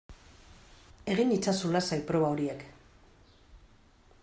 Egin itzazu lasai proba horiek